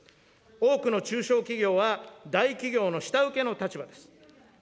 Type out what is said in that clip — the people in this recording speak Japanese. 多くの中小企業は、大企業の下請けの立場です。